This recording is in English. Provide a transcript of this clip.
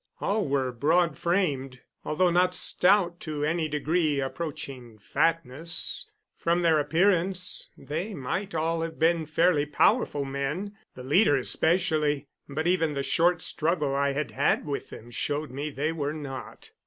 All were broad framed, although not stout to any degree approaching fatness. From their appearance, they might all have been fairly powerful men, the leader especially. But even the short struggle I had had with them showed me they were not.